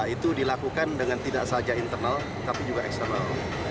itu dilakukan dengan tidak saja internal tapi juga eksternal